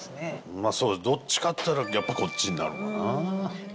まあどっちかっていったらやっぱこっちになるかな。